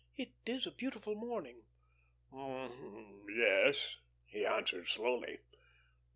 "It is a beautiful morning." "M m yes," he answered slowly.